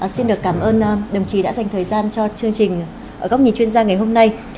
xin được cảm ơn đồng chí đã dành thời gian cho chương trình góc nhìn chuyên gia ngày hôm nay